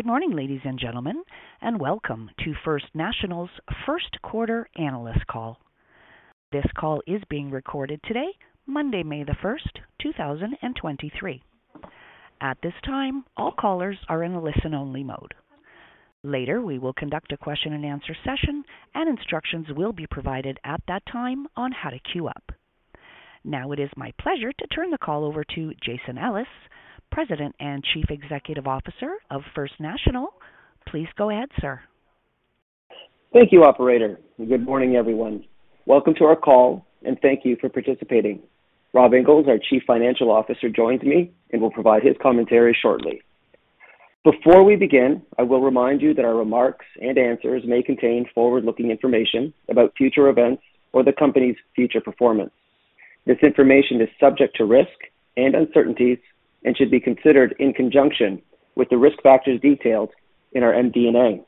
Good morning, ladies and gentlemen. Welcome to First National's 1st quarter analyst call. This call is being recorded today, Monday, May 1st, 2023. At this time, all callers are in a listen-only mode. Later, we will conduct a question-and-answer session. Instructions will be provided at that time on how to queue up. It is my pleasure to turn the call over to Jason Ellis, President and Chief Executive Officer of First National. Please go ahead, sir. Thank you, operator. Good morning, everyone. Welcome to our call and thank you for participating. Rob Inglis, our Chief Financial Officer, joins me and will provide his commentary shortly. Before we begin, I will remind you that our remarks and answers may contain forward-looking information about future events or the company's future performance. This information is subject to risk and uncertainties and should be considered in conjunction with the risk factors detailed in our MD&A.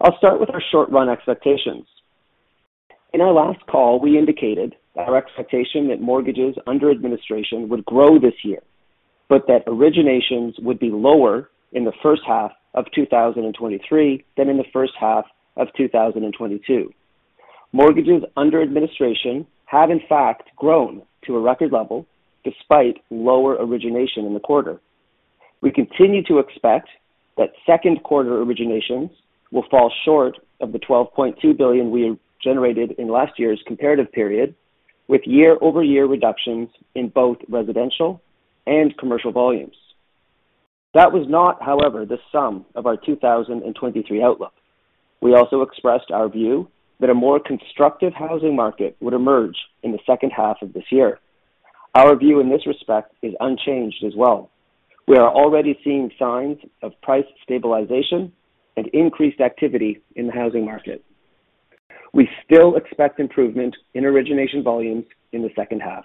I'll start with our short-run expectations. In our last call, we indicated our expectation that mortgages under administration would grow this year, but that originations would be lower in the first half of 2023 than in the first half of 2022. Mortgages under administration have in fact grown to a record level despite lower origination in the quarter. We continue to expect that second quarter originations will fall short of 12.2 billion we generated in last year's comparative period, with year-over-year reductions in both residential and commercial volumes. That was not, however, the sum of our 2023 outlook. We also expressed our view that a more constructive housing market would emerge in the second half of this year. Our view in this respect is unchanged as well. We are already seeing signs of price stabilization and increased activity in the housing market. We still expect improvement in origination volumes in the second half.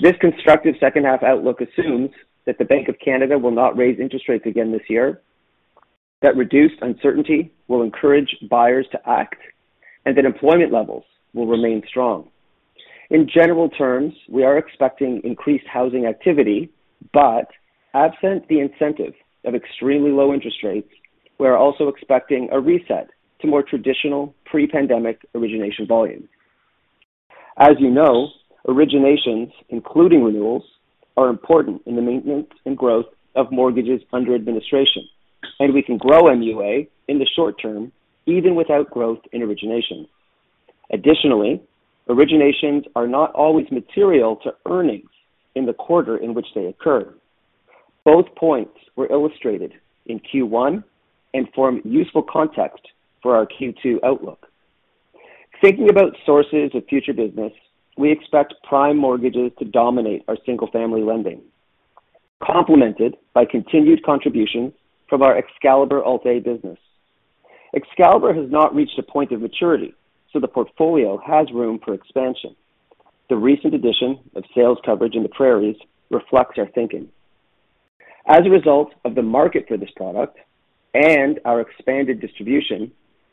This constructive second-half outlook assumes that the Bank of Canada will not raise interest rates again this year, that reduced uncertainty will encourage buyers to act, and that employment levels will remain strong. In general terms, we are expecting increased housing activity, but absent the incentive of extremely low interest rates, we are also expecting a reset to more traditional pre-pandemic origination volumes. As you know, originations, including renewals, are important in the maintenance and growth of mortgages under administration, and we can grow MUA in the short term even without growth in origination. Additionally, originations are not always material to earnings in the quarter in which they occur. Both points were illustrated in Q1 and form useful context for our Q2 outlook. Thinking about sources of future business, we expect prime mortgages to dominate our single-family lending, complemented by continued contribution from our Excalibur Alt-A business. Excalibur has not reached a point of maturity, so the portfolio has room for expansion. The recent addition of sales coverage in the prairies reflects our thinking. As a result of the market for this product and our expanded distribution,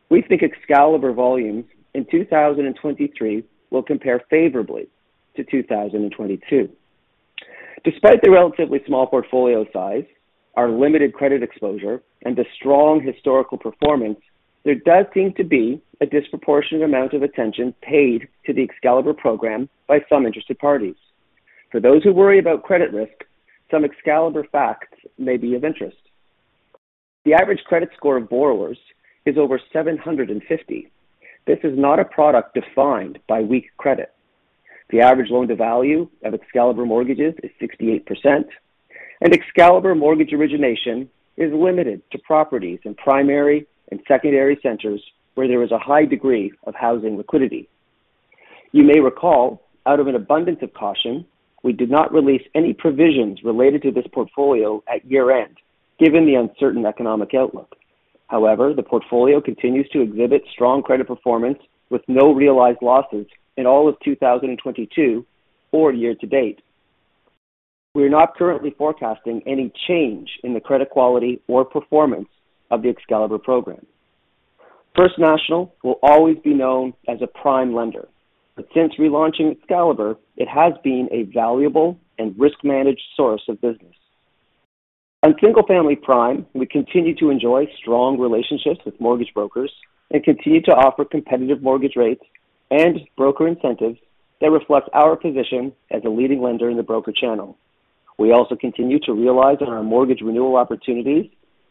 we think Excalibur volumes in 2023 will compare favorably to 2022. Despite the relatively small portfolio size, our limited credit exposure, and the strong historical performance, there does seem to be a disproportionate amount of attention paid to the Excalibur program by some interested parties. For those who worry about credit risk, some Excalibur facts may be of interest. The average credit score of borrowers is over 750. This is not a product defined by weak credit. The average loan to value of Excalibur mortgages is 68%, and Excalibur mortgage origination is limited to properties in primary and secondary centers where there is a high degree of housing liquidity. You may recall, out of an abundance of caution, we did not release any provisions related to this portfolio at year-end, given the uncertain economic outlook. The portfolio continues to exhibit strong credit performance with no realized losses in all of 2022 or year to date. We are not currently forecasting any change in the credit quality or performance of the Excalibur program. First National will always be known as a prime lender, since relaunching Excalibur, it has been a valuable and risk-managed source of business. On single-family prime, we continue to enjoy strong relationships with mortgage brokers and continue to offer competitive mortgage rates and broker incentives that reflect our position as a leading lender in the broker channel. We also continue to realize on our mortgage renewal opportunities,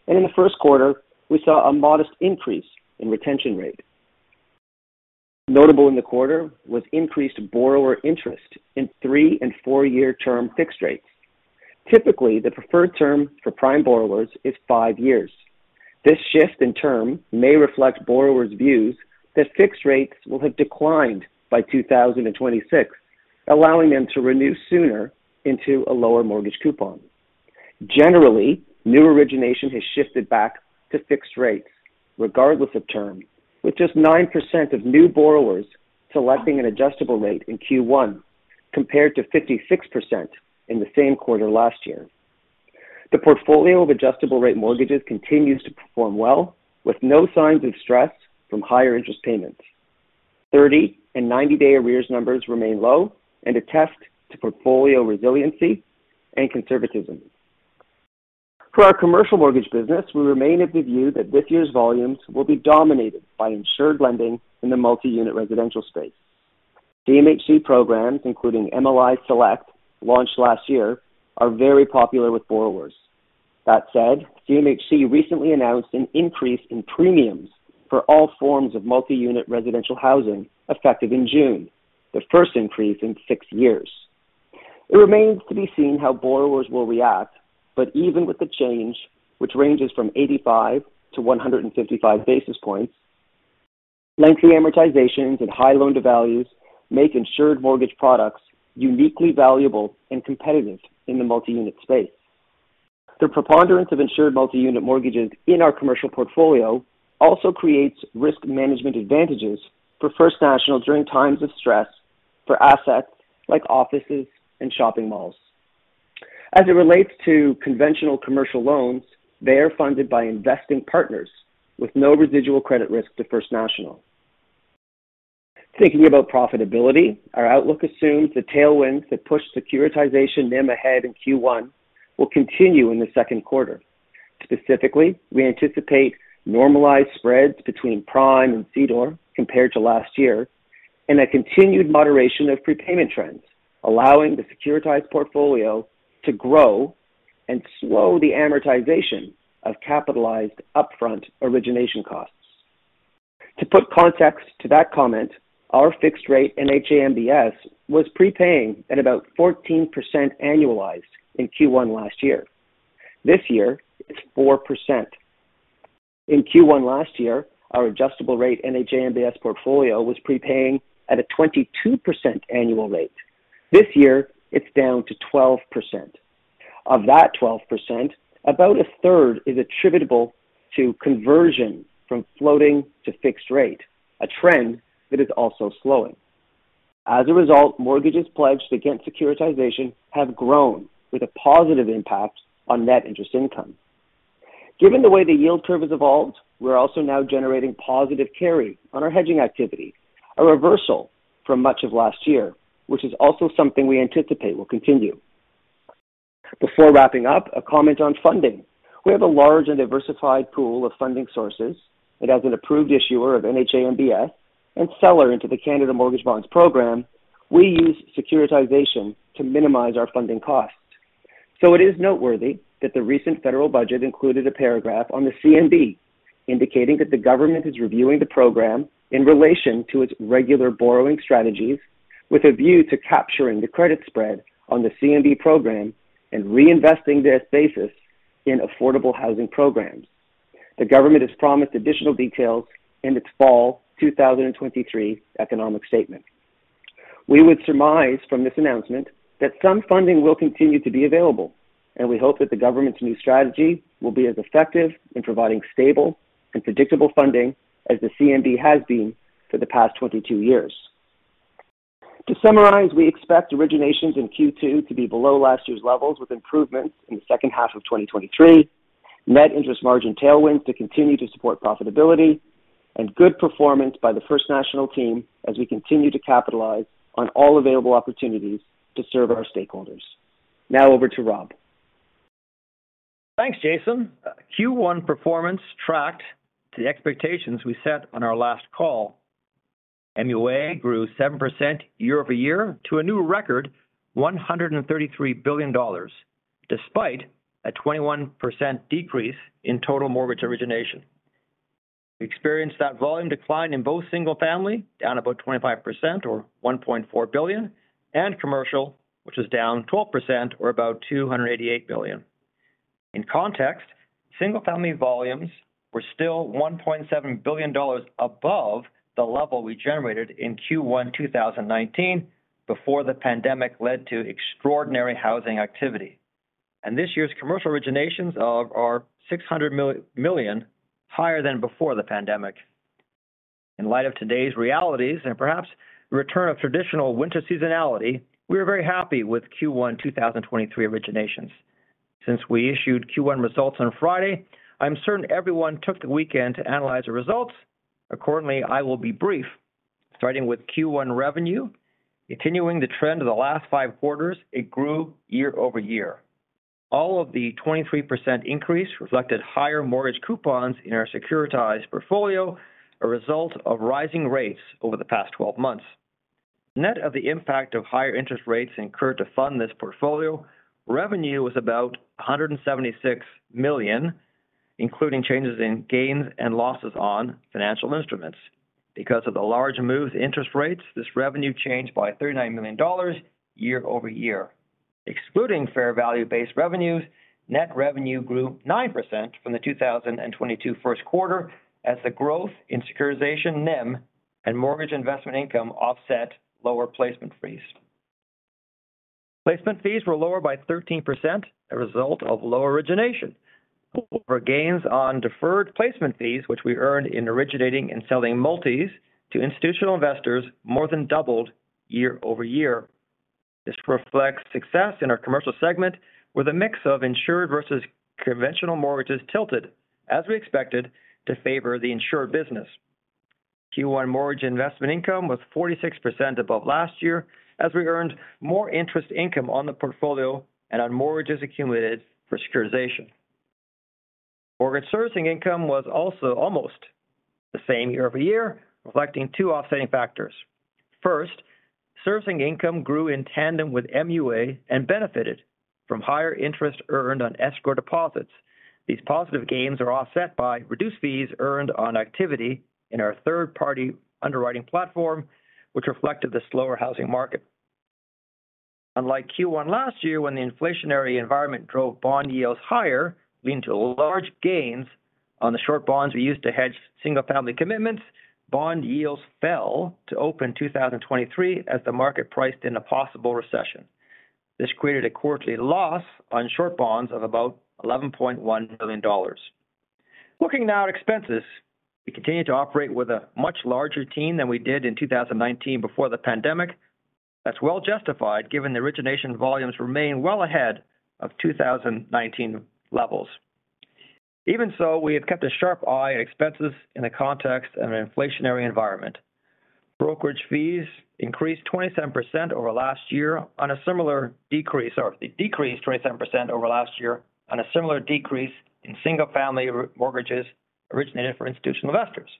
in the first quarter, we saw a modest increase in retention rate. Notable in the quarter was increased borrower interest in three- and four-year term fixed rates. Typically, the preferred term for prime borrowers is five years. This shift in term may reflect borrowers' views that fixed rates will have declined by 2026, allowing them to renew sooner into a lower mortgage coupon. Generally, new origination has shifted back to fixed rates regardless of term, with just 9% of new borrowers selecting an adjustable rate in Q1 compared to 56% in the same quarter last year. The portfolio of adjustable-rate mortgages continues to perform well, with no signs of stress from higher interest payments. 30 and 90 day arrears numbers remain low and attest to portfolio resiliency and conservatism. For our commercial mortgage business, we remain of the view that this year's volumes will be dominated by insured lending in the multi-unit residential space. CMHC programs, including MLI Select, launched last year, are very popular with borrowers. That said, CMHC recently announced an increase in premiums for all forms of multi-unit residential housing effective in June, the first increase in six years. It remains to be seen how borrowers will react, even with the change, which ranges from 85 to 155 basis points, lengthy amortizations and high loan to values make insured mortgage products uniquely valuable and competitive in the multi-unit space. The preponderance of insured multi-unit mortgages in our commercial portfolio also creates risk management advantages for First National during times of stress for assets like offices and shopping malls. As it relates to conventional commercial loans, they are funded by investing partners with no residual credit risk to First National. Thinking about profitability, our outlook assumes the tailwinds that push securitization NIM ahead in Q1 will continue in the second quarter. Specifically, we anticipate normalized spreads between prime and CDOR compared to last year, and a continued moderation of prepayment trends, allowing the securitized portfolio to grow and slow the amortization of capitalized upfront origination costs. To put context to that comment, our fixed rate NHA MBS was prepaying at about 14% annualized in Q1 last year. This year, it's 4%. In Q1 last year, our adjustable rate NHA MBS portfolio was prepaying at a 22% annual rate. This year, it's down to 12%. Of that 12%, about a third is attributable to conversion from floating to fixed rate, a trend that is also slowing. Mortgages pledged against securitization have grown with a positive impact on net interest income. Given the way the yield curve has evolved, we're also now generating positive carry on our hedging activity, a reversal from much of last year, which is also something we anticipate will continue. Before wrapping up, a comment on funding. We have a large and diversified pool of funding sources, and as an approved issuer of NHA MBS and seller into the Canada Mortgage Bonds program, we use securitization to minimize our funding costs. It is noteworthy that the recent federal budget included a paragraph on the CMB, indicating that the government is reviewing the program in relation to its regular borrowing strategies with a view to capturing the credit spread on the CMB program and reinvesting this basis in affordable housing programs. The government has promised additional details in its fall 2023 economic statement. We would surmise from this announcement that some funding will continue to be available, and we hope that the government's new strategy will be as effective in providing stable and predictable funding as the CMB has been for the past 22 years. To summarize, we expect originations in Q2 to be below last year's levels with improvements in the second half of 2023, net interest margin tailwinds to continue to support profitability and good performance by the First National team as we continue to capitalize on all available opportunities to serve our stakeholders. Now over to Rob. Thanks, Jason. Q1 performance tracked to the expectations we set on our last call. MUA grew 7% year-over-year to a new record 133 billion dollars, despite a 21% decrease in total mortgage origination. We experienced that volume decline in both single-family, down about 25% or 1.4 billion, and commercial, which is down 12% or about 288 billion. In context, single-family volumes were still 1.7 billion dollars above the level we generated in Q1 2019 before the pandemic led to extraordinary housing activity. This year's commercial originations are 600 million higher than before the pandemic. In light of today's realities and perhaps return of traditional winter seasonality, we are very happy with Q1 2023 originations. Since we issued Q1 results on Friday, I'm certain everyone took the weekend to analyze the results. Accordingly, I will be brief. Starting with Q1 revenue. Continuing the trend of the last five quarters, it grew year-over-year. All of the 23% increase reflected higher mortgage coupons in our securitized portfolio, a result of rising rates over the past 12 months. Net of the impact of higher interest rates incurred to fund this portfolio, revenue was about 176 million, including changes in gains and losses on financial instruments. Because of the large move to interest rates, this revenue changed by 39 million dollars year-over-year. Excluding fair value-based revenues, net revenue grew 9% from the 2022 first quarter as the growth in securitization NIM and mortgage investment income offset lower placement fees. Placement fees were lower by 13%, a result of low origination. Gains on deferred placement fees, which we earned in originating and selling multis to institutional investors, more than doubled year-over-year. This reflects success in our commercial segment with a mix of insured versus conventional mortgages tilted as we expected to favor the insured business. Q1 mortgage investment income was 46% above last year as we earned more interest income on the portfolio and on mortgages accumulated for securitization. Mortgage servicing income was also almost the same year-over-year, reflecting two offsetting factors. First, servicing income grew in tandem with MUA and benefited from higher interest earned on escrow deposits. These positive gains are offset by reduced fees earned on activity in our third-party underwriting platform, which reflected the slower housing market. Unlike Q1 last year, when the inflationary environment drove bond yields higher, leading to large gains on the short bonds we used to hedge single-family commitments, bond yields fell to open 2023 as the market priced in a possible recession. This created a quarterly loss on short bonds of about 11.1 billion dollars. Looking now at expenses. We continue to operate with a much larger team than we did in 2019 before the pandemic. That's well justified given the origination volumes remain well ahead of 2019 levels. Even so, we have kept a sharp eye on expenses in the context of an inflationary environment. Brokerage fees increased 27% over last year on a similar decrease or they decreased 27% over last year on a similar decrease in single-family mortgages originated for institutional investors.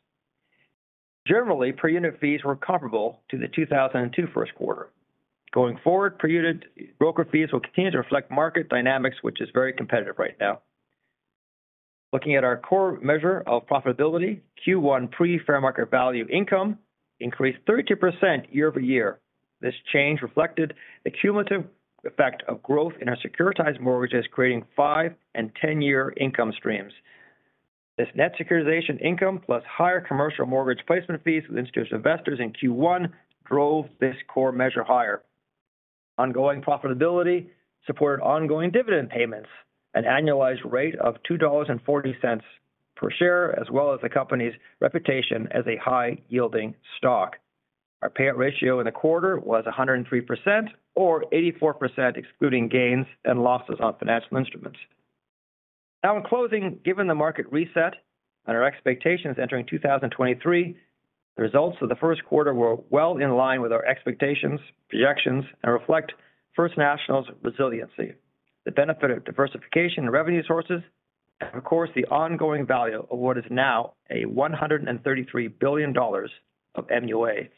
Generally, per unit fees were comparable to the 2002 first quarter. Going forward, per unit broker fees will continue to reflect market dynamics, which is very competitive right now. Looking at our core measure of profitability, Q1 pre fair market value of income increased 32% year-over-year. This change reflected the cumulative effect of growth in our securitized mortgages, creating five and 10-year income streams. This net securitization income plus higher commercial mortgage placement fees with institutional investors in Q1 drove this core measure higher. Ongoing profitability supported ongoing dividend payments, an annualized rate of 2.40 dollars per share, as well as the company's reputation as a high yielding stock. Our payout ratio in the quarter was 103% or 84% excluding gains and losses on financial instruments. In closing, given the market reset and our expectations entering 2023, the results of the first quarter were well in line with our expectations, projections and reflect First National's resiliency, the benefit of diversification in revenue sources and of course, the ongoing value of what is now a 133 billion dollars of MUA.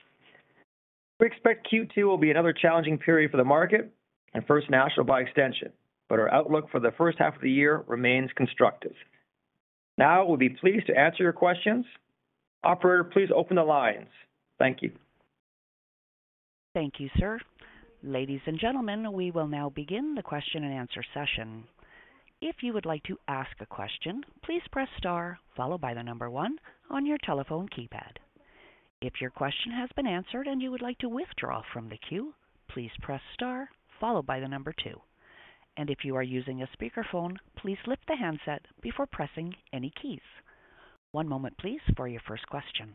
We expect Q2 will be another challenging period for the market and First National by extension, but our outlook for the first half of the year remains constructive. We'll be pleased to answer your questions. Operator, please open the lines. Thank you. Thank you, sir. Ladies and gentlemen, we will now begin the question and answer session. If you would like to ask a question, please press star followed by the number one on your telephone keypad. If your question has been answered and you would like to withdraw from the queue, please press star followed by the number two. If you are using a speakerphone, please lift the handset before pressing any keys. One moment please, for your first question.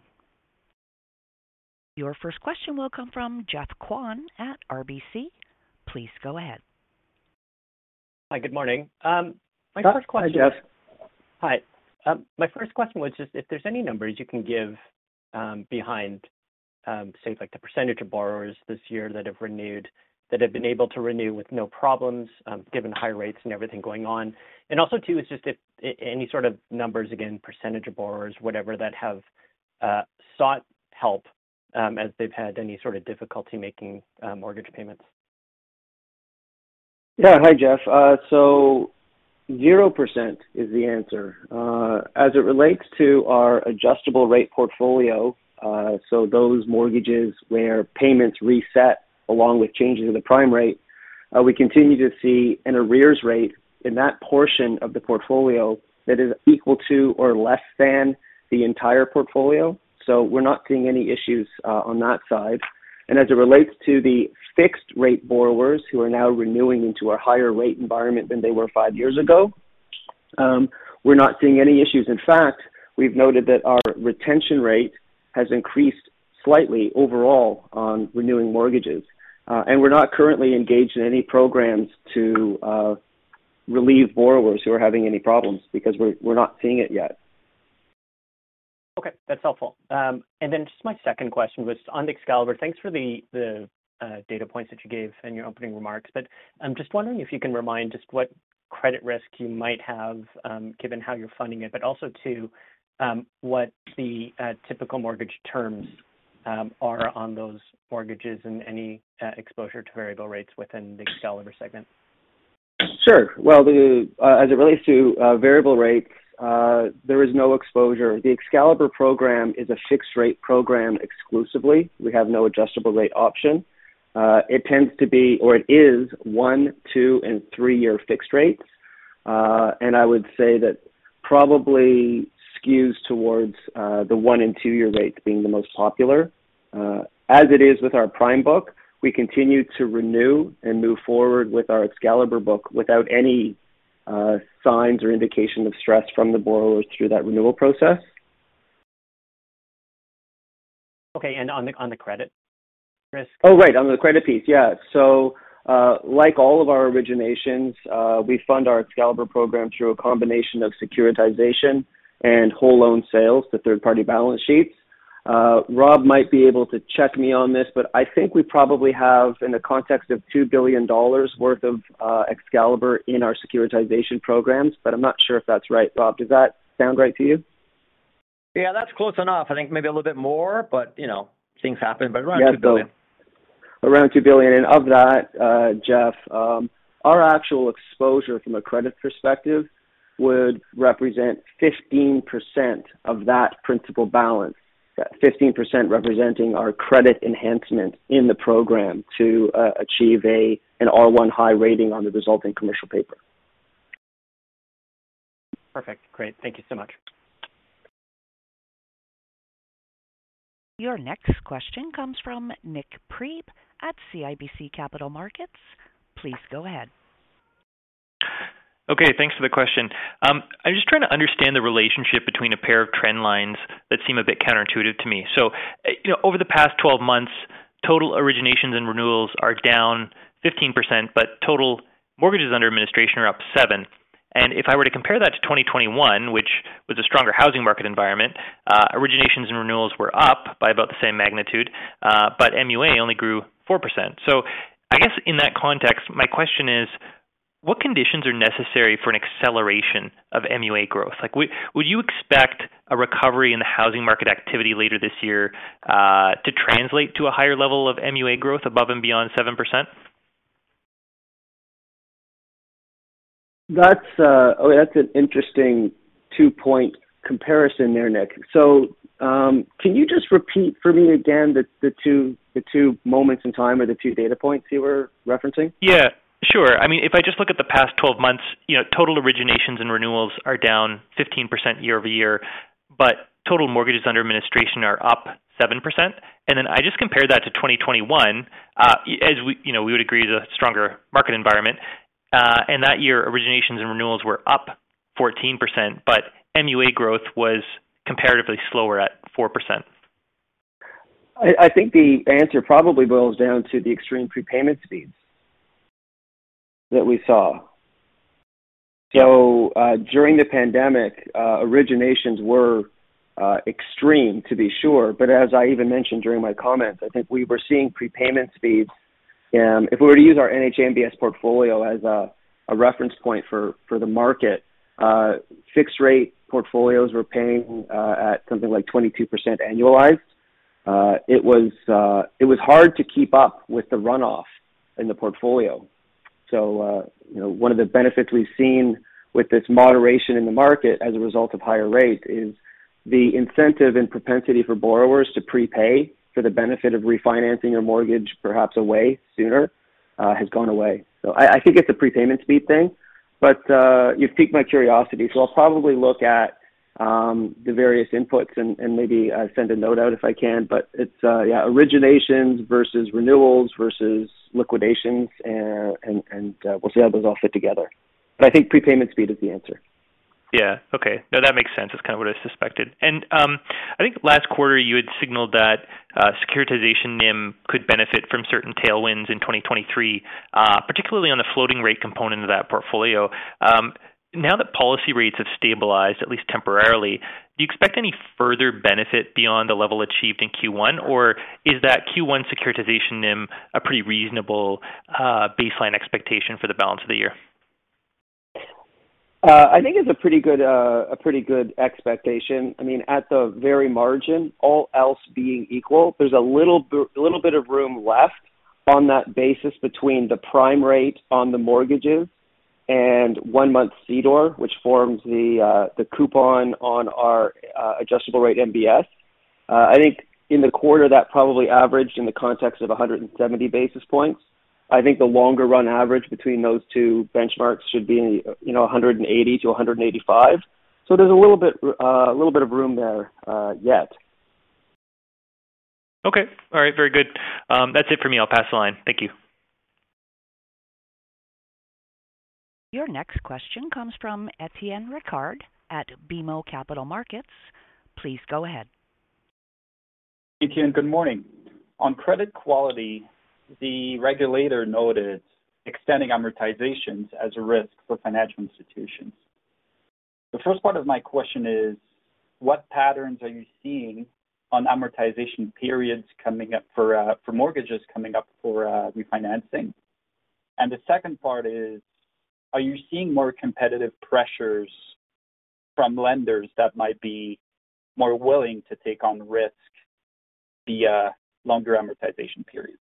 Your first question will come from Geoffrey Kwan at RBC. Please go ahead. Hi. Good morning. My first question- Hi, Jeff. Hi. My first question was just if there's any numbers you can give behind, say, like the % of borrowers this year that have renewed, that have been able to renew with no problems, given the high rates and everything going on. Also too is just if any sort of numbers, again, % of borrowers, whatever, that have sought help, as they've had any sort of difficulty making mortgage payments. Yeah. Hi, Jeff. Zero % is the answer. As it relates to our adjustable rate portfolio, so those mortgages where payments reset along with changes in the prime rate, we continue to see an arrears rate in that portion of the portfolio that is equal to or less than the entire portfolio. We're not seeing any issues on that side. As it relates to the fixed rate borrowers who are now renewing into a higher rate environment than they were five years ago, we're not seeing any issues. In fact, we've noted that our retention rate has increased slightly overall on renewing mortgages. We're not currently engaged in any programs to relieve borrowers who are having any problems because we're not seeing it yet. Okay, that's helpful. Just my second question was on Excalibur. Thanks for the data points that you gave in your opening remarks. I'm just wondering if you can remind just what credit risk you might have, given how you're funding it, but also too, what the typical mortgage terms are on those mortgages and any exposure to variable rates within the Excalibur segment? Sure. Well, the as it relates to variable rates, there is no exposure. The Excalibur program is a fixed rate program exclusively. We have no adjustable rate option. It tends to be or it is one, two and three year fixed rates. I would say that probably skews towards the one and two year rates being the most popular. As it is with our prime book, we continue to renew and move forward with our Excalibur book without any signs or indication of stress from the borrowers through that renewal process. Okay. On the credit risk? Oh, right. On the credit piece. Yeah. Like all of our originations, we fund our Excalibur program through a combination of securitization and whole loan sales to third party balance sheets. Rob might be able to check me on this, but I think we probably have in the context of two billion dollars worth of Excalibur in our securitization programs, but I'm not sure if that's right. Rob, does that sound right to you? Yeah, that's close enough. I think maybe a little bit more, but, you know, things happen. Around two billion. Around two billion. Of that, Jeff, our actual exposure from a credit perspective would represent 15% of that principal balance. 15% representing our credit enhancement in the program to achieve an R-1 (high) rating on the resulting commercial paper. Perfect. Great. Thank you so much. Your next question comes from Nik Priebe at CIBC Capital Markets. Please go ahead. Okay. Thanks for the question. I'm just trying to understand the relationship between a pair of trend lines that seem a bit counterintuitive to me. You know, over the past 12 months, total originations and renewals are down 15%, but total mortgages under administration are up seven. If I were to compare that to 2021, which was a stronger housing market environment, originations and renewals were up by about the same magnitude, but MUA only grew 4%. I guess in that context, my question is, what conditions are necessary for an acceleration of MUA growth? Like, would you expect a recovery in the housing market activity later this year, to translate to a higher level of MUA growth above and beyond 7%? That's an interesting two-point comparison there, Nik. Can you just repeat for me again the two moments in time or the two data points you were referencing? Yeah, sure. I mean, if I just look at the past 12 months, you know, total originations and renewals are down 15% year-over-year, but total mortgages under administration are up 7%. I just compare that to 2021, as we, you know, we would agree is a stronger market environment. That year originations and renewals were up 14%. MUA growth was comparatively slower at 4%. I think the answer probably boils down to the extreme prepayment speeds that we saw. During the pandemic, originations were extreme to be sure, but as I even mentioned during my comments, I think we were seeing prepayment speeds. If we were to use our NHA MBS portfolio as a reference point for the market, fixed rate portfolios were paying at something like 22% annualized. It was hard to keep up with the runoff in the portfolio. You know, one of the benefits we've seen with this moderation in the market as a result of higher rates is the incentive and propensity for borrowers to prepay for the benefit of refinancing a mortgage perhaps away sooner, has gone away. I think it's a prepayment speed thing, but you've piqued my curiosity, so I'll probably look at the various inputs and maybe send a note out if I can. It's yeah, originations versus renewals versus liquidations, and we'll see how those all fit together. I think prepayment speed is the answer. Yeah. Okay. No, that makes sense. It's kind of what I suspected. I think last quarter you had signaled that securitization NIM could benefit from certain tailwinds in 2023, particularly on the floating rate component of that portfolio. Now that policy rates have stabilized, at least temporarily, do you expect any further benefit beyond the level achieved in Q1, or is that Q1 securitization NIM a pretty reasonable baseline expectation for the balance of the year? I think it's a pretty good expectation. I mean, at the very margin, all else being equal, there's a little bit of room left on that basis between the prime rate on the mortgages and one month CDOR, which forms the coupon on our adjustable rate MBS. I think in the quarter that probably averaged in the context of 170 basis points. I think the longer run average between those two benchmarks should be, you know, 180 to 185. There's a little bit of room there yet. Okay. All right. Very good. That's it for me. I'll pass the line. Thank you. Your next question comes from Etienne Ricard at BMO Capital Markets. Please go ahead. Etienne, good morning. On credit quality, the regulator noted extending amortizations as a risk for financial institutions. The first part of my question is, what patterns are you seeing on amortization periods coming up for mortgages coming up for refinancing? The second part is, are you seeing more competitive pressures from lenders that might be more willing to take on risk via longer amortization periods?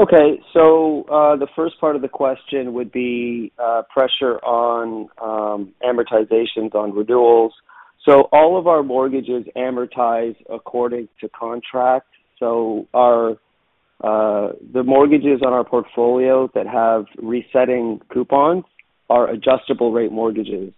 Okay. The first part of the question would be pressure on amortizations on renewals. All of our mortgages amortize according to contract. The mortgages on our portfolio that have resetting coupons are adjustable rate mortgages,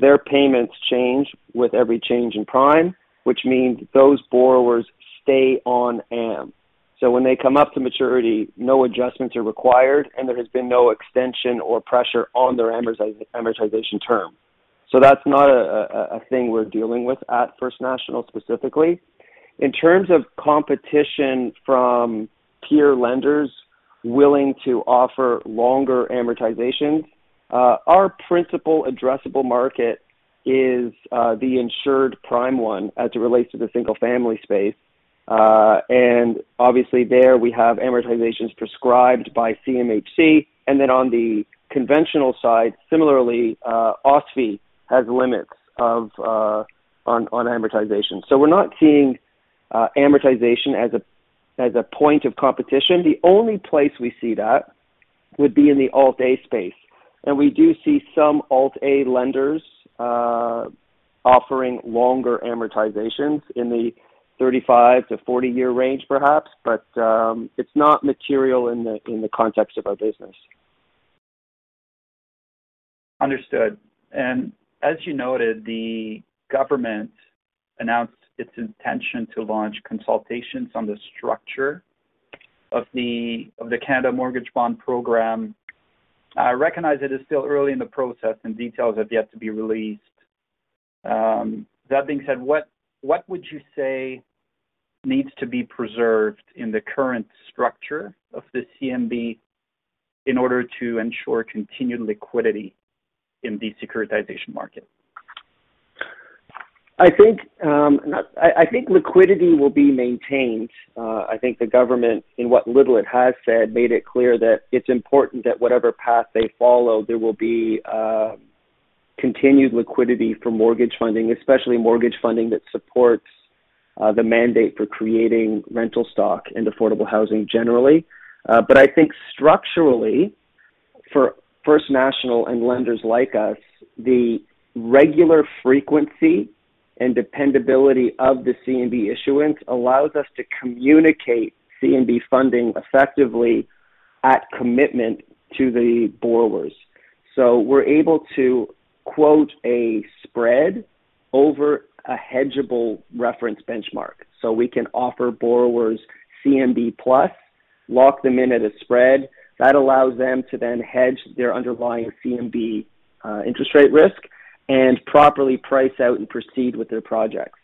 their payments change with every change in prime, which means those borrowers stay on AM. When they come up to maturity, no adjustments are required, and there has been no extension or pressure on their amortization term. That's not a thing we're dealing with at First National specifically. In terms of competition from peer lenders willing to offer longer amortizations, our principal addressable market is the insured prime one as it relates to the single-family space. Obviously there we have amortizations prescribed by CMHC, and then on the conventional side, similarly, OSFI has limits of on amortization. We're not seeing amortization as a point of competition. The only place we see that would be in the Alt-A space. We do see some Alt-A lenders offering longer amortizations in the 35-40-year range perhaps, but it's not material in the context of our business. Understood. As you noted, the government announced its intention to launch consultations on the structure of the Canada Mortgage Bond program. I recognize it is still early in the process, and details have yet to be released. That being said, what would you say needs to be preserved in the current structure of the CMB in order to ensure continued liquidity in the securitization market? I think liquidity will be maintained. I think the government, in what little it has said, made it clear that it's important that whatever path they follow, there will be continued liquidity for mortgage funding, especially mortgage funding that supports the mandate for creating rental stock and affordable housing generally. I think structurally for First National and lenders like us, the regular frequency and dependability of the CMB issuance allows us to communicate CMB funding effectively at commitment to the borrowers. We're able to quote a spread over a hedgeable reference benchmark. We can offer borrowers CMB Plus, lock them in at a spread. That allows them to then hedge their underlying CMB interest rate risk and properly price out and proceed with their projects.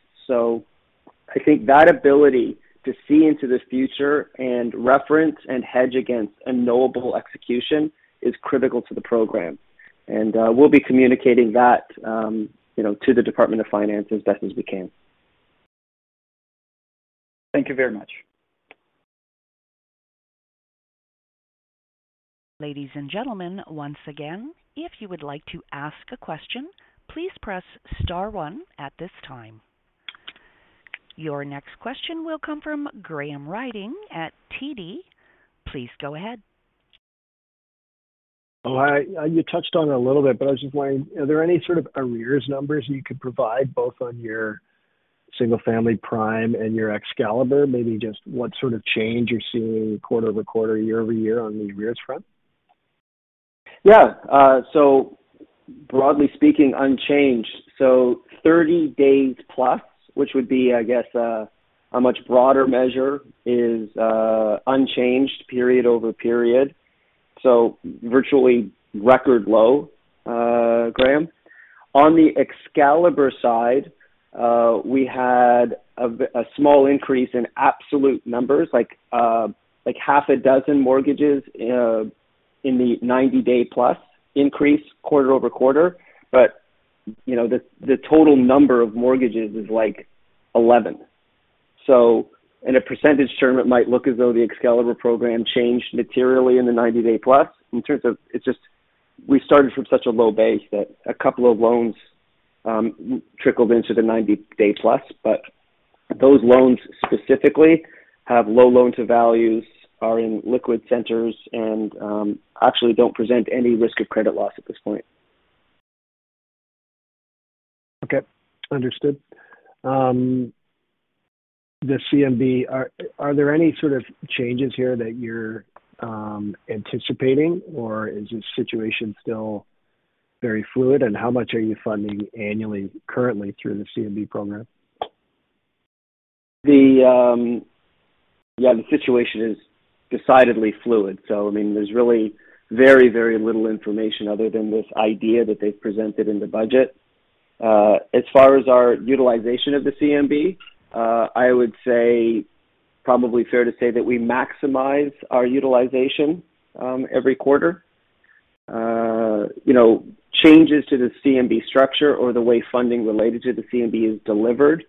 I think that ability to see into this future and reference and hedge against a knowable execution is critical to the program. We'll be communicating that, you know, to the Department of Finance as best as we can. Thank you very much. Ladies and gentlemen, once again, if you would like to ask a question, please press star one at this time. Your next question will come from Graham Ryding at TD. Please go ahead. You touched on it a little bit, but I was just wondering, are there any sort of arrears numbers you could provide both on your single-family prime and your Excalibur? Maybe just what sort of change you're seeing quarter-over-quarter, year-over-year on the arrears front. Yeah. Broadly speaking, unchanged. 30 days plus, which would be, I guess, a much broader measure is unchanged period over period. Virtually record low, Graham. On the Excalibur side, we had a small increase in absolute numbers, like half a dozen mortgages, in the 90-day plus increase quarter-over-quarter. You know, the total number of mortgages is like 11. In a percentage term, it might look as though the Excalibur program changed materially in the 90-day plus. It's just we started from such a low base that a couple of loans trickled into the 90-day plus. Those loans specifically have low loan to values, are in liquid centers and actually don't present any risk of credit loss at this point. Okay. Understood. The CMB, are there any sort of changes here that you're anticipating, or is the situation still very fluid, and how much are you funding annually currently through the CMB program? Yeah, the situation is decidedly fluid. I mean, there's really very, very little information other than this idea that they've presented in the budget. As far as our utilization of the CMB, I would say probably fair to say that we maximize our utilization, every quarter. You know, changes to the CMB structure or the way funding related to the CMB is delivered,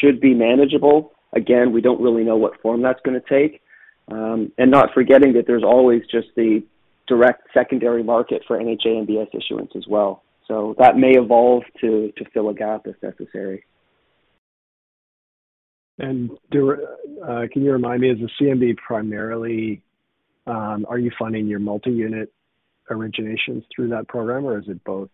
should be manageable. Again, we don't really know what form that's gonna take. And not forgetting that there's always just the direct secondary market for any CMBs issuance as well. That may evolve to fill a gap if necessary. There, can you remind me, is the CMB primarily, are you funding your multi-unit originations through that program, or is it both,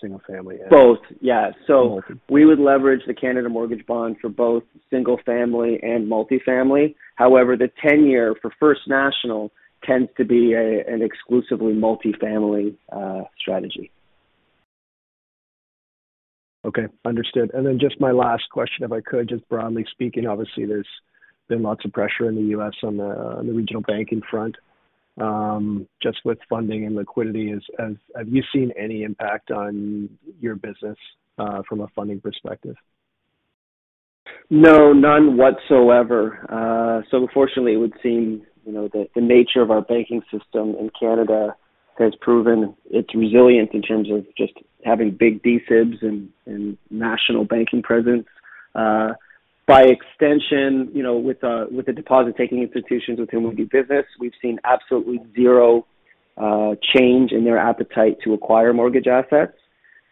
single family and-? Both. Yeah. Both. We would leverage the Canada Mortgage Bond for both single family and multifamily. However, the 10-year for First National tends to be an exclusively multifamily strategy. Okay, understood. Then just my last question, if I could, just broadly speaking, obviously there's been lots of pressure in the U.S. on the regional banking front, just with funding and liquidity. Have you seen any impact on your business from a funding perspective? No, none whatsoever. Fortunately, it would seem, you know, that the nature of our banking system in Canada has proven its resilient in terms of just having big D-SIBs and national banking presence. By extension, you know, with the deposit-taking institutions with whom we do business, we've seen absolutely zero change in their appetite to acquire mortgage assets.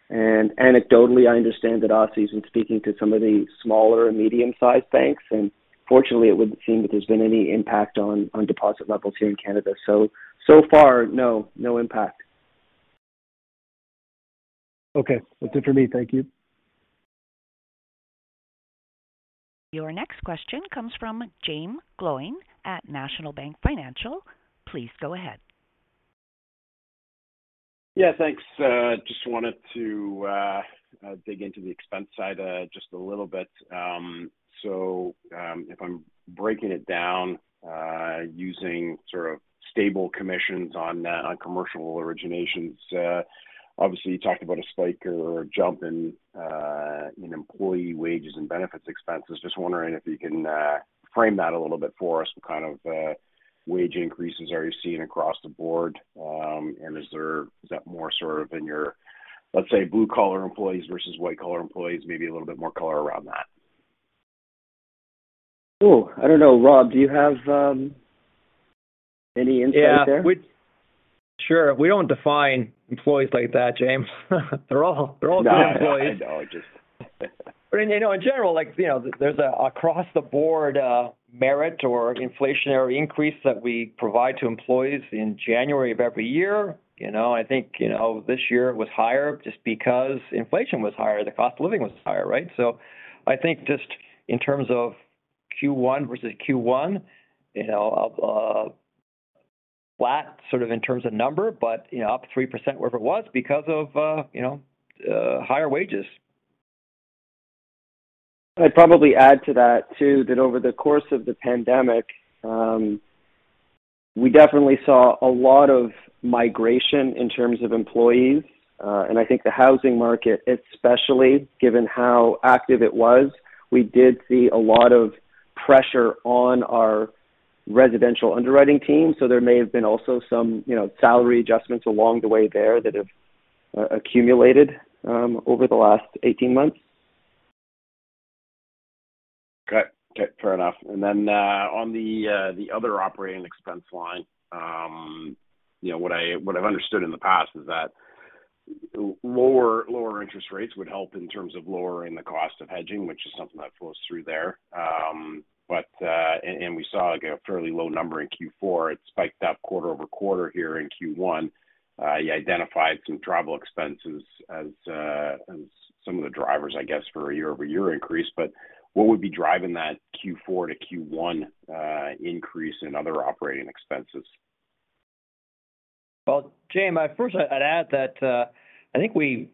Anecdotally, I understand that Asi's been speaking to some of the smaller and medium-sized banks, and fortunately, it wouldn't seem that there's been any impact on deposit levels here in Canada. So far, no. No impact. Okay. That's it for me. Thank you. Your next question comes from Jaeme Gloyn at National Bank Financial. Please go ahead. Yeah, thanks. Just wanted to dig into the expense side just a little bit. If I'm breaking it down using sort of stable commissions on commercial originations, obviously you talked about a spike or a jump in employee wages and benefits expenses. Just wondering if you can frame that a little bit for us. What kind of wage increases are you seeing across the board? And is that more sort of in your, let's say, blue-collar employees versus white-collar employees? Maybe a little bit more color around that. Cool. I don't know. Rob, do you have any insight there? Yeah. Sure. We don't define employees like that, Jaeme. They're all good employees. I know. Just... You know, in general, like, you know, there's a across the board, merit or inflationary increase that we provide to employees in January of every year. You know, I think, you know, this year was higher just because inflation was higher, the cost of living was higher, right? I think just in terms of Q1 versus Q1, you know, of, flat sort of in terms of number, but, you know, up 3% wherever it was because of, you know, higher wages. I'd probably add to that, too, that over the course of the pandemic, we definitely saw a lot of migration in terms of employees. I think the housing market especially, given how active it was, we did see a lot of pressure on our residential underwriting team. There may have been also some, you know, salary adjustments along the way there that have accumulated over the last 18 months. Okay. Okay. Fair enough. On the other operating expense line, you know, what I've understood in the past is that lower interest rates would help in terms of lowering the cost of hedging, which is something that flows through there. We saw, like, a fairly low number in Q4. It spiked up quarter-over-quarter here in Q1. You identified some travel expenses as some of the drivers, I guess, for a year-over-year increase, but what would be driving that Q4 to Q1 increase in other operating expenses? Jaeme, first I'd add that, I think we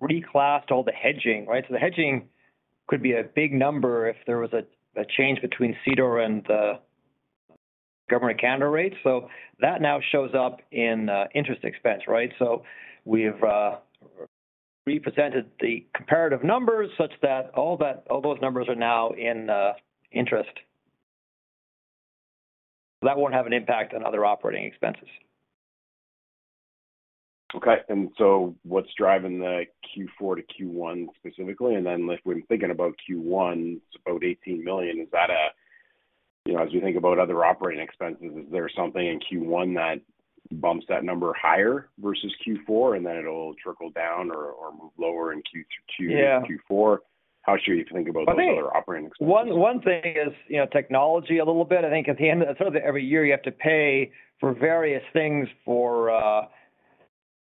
reclassed all the hedging, right? The hedging could be a big number if there was a change between CDOR and the government Canada rates. That now shows up in interest expense, right? We've represented the comparative numbers such that all those numbers are now in interest. That won't have an impact on other operating expenses. Okay. What's driving the Q4 to Q1 specifically? When thinking about Q1, it's about 18 million. Is that, you know, as we think about other operating expenses, is there something in Q1 that bumps that number higher versus Q4, and then it'll trickle down or move lower in Q2 to Q4? Yeah. How should you think about those other operating expenses? One thing is, you know, technology a little bit. I think at the end of the sort of every year, you have to pay for various things for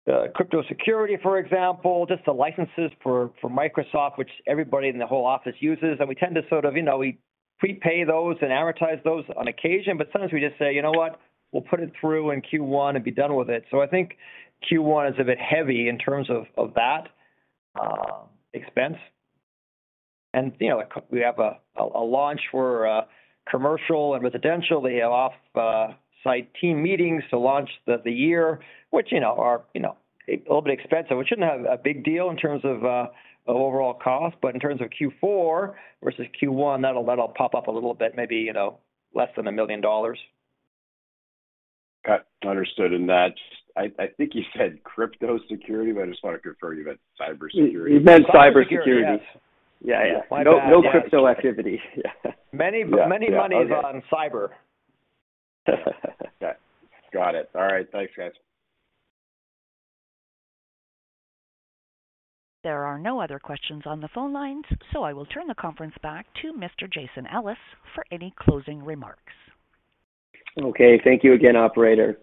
cybersecurity, for example, just the licenses for Microsoft, which everybody in the whole office uses. We tend to sort of, you know, we prepay those and advertise those on occasion, but sometimes we just say, "You know what? We'll put it through in Q1 and be done with it." I think Q1 is a bit heavy in terms of that expense. You know, we have a launch for commercial and residential. We have off-site team meetings to launch the year, which, you know, are a little bit expensive. It shouldn't have a big deal in terms of overall cost, but in terms of Q4 versus Q1, that'll pop up a little bit, maybe, you know, less than one million dollars. Got it. Understood. That's... I think you said cybersecurity, but I just want to confirm you meant cybersecurity. He meant cybersecurity. Cybersecurity, yes. Yeah, yeah. My bad. No crypto activity. Many moneys on cyber. Got it. All right. Thanks, guys. There are no other questions on the phone lines. I will turn the conference back to Mr. Jason Ellis for any closing remarks. Okay. Thank you again, operator.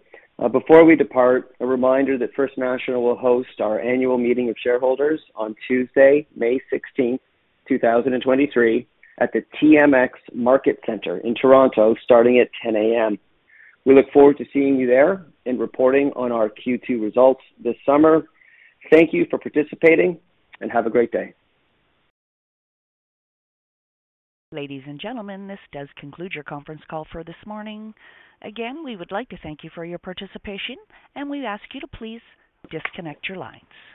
Before we depart, a reminder that First National will host our annual meeting of shareholders on Tuesday, May 16th, 2023 at the TMX Market Center in Toronto, starting at 10:00 A.M. We look forward to seeing you there and reporting on our Q2 results this summer. Thank you for participating and have a great day. Ladies and gentlemen, this does conclude your conference call for this morning. Again, we would like to thank you for your participation, and we ask you to please disconnect your lines.